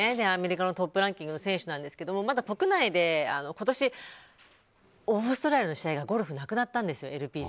アメリカのトップランキングの選手なんですけど国内で今年、オーストラリアの試合がゴルフ、なくなったんですＬＰＧＡ。